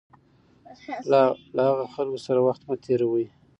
له هغه خلکو سره وخت مه تېروئ.